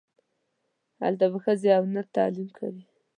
هلته به ښځې و نر تعلیم کوي.